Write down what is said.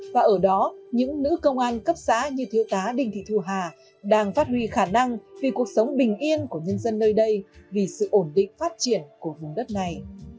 và ở đó những nữ công an cấp xã như thiếu tá đình thị thu hà đang phát huy khả năng vì cuộc sống bình yên của nhân dân nơi đây vì sự ổn định phát triển của vùng đất này